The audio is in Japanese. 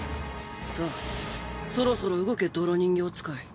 さあそろそろ動け泥人形使い。